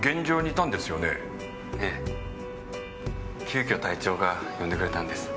急きょ隊長が呼んでくれたんです。